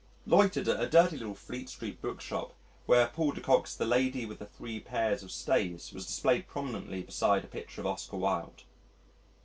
Loitered at a dirty little Fleet Street bookshop where Paul de Koch's The Lady with the Three Pairs of Stays was displayed prominently beside a picture of Oscar Wilde.